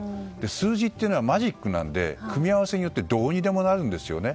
数字というのはマジックなので組み合わせによってどうにでもなるんですよね。